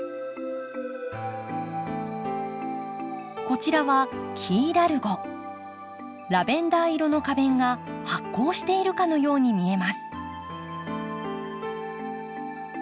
こちらはラベンダー色の花弁が発光しているかのように見えます。